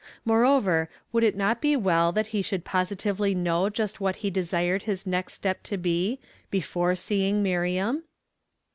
Moreover, would it not be well that he should positively know just what he desired his next step to be, before seeing Miriam